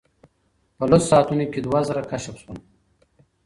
په لسو ساعتونو کې دوه زره کشف شول.